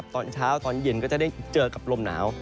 ตอนเช้าตอนเย็นก็จะได้เจอกับลมหนาว